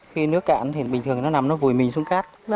khi nước cạn thì bình thường nó nằm nó vùi mình xuống cát